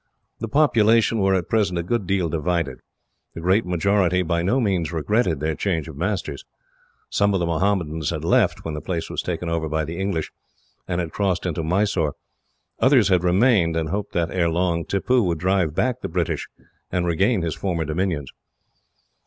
The population were, at present, a good deal divided. The great majority by no means regretted their change of masters. Some of the Mohammedans had left, when the place was taken over by the English, and had crossed into Mysore. Others had remained, and hoped that, ere long, Tippoo would drive back the British, and regain his former dominions.